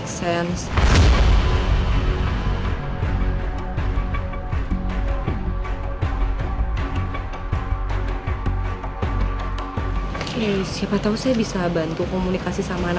kasian jadi arsila jadi suka rewel